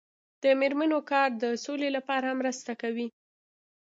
د میرمنو کار د سولې لپاره مرسته کوي.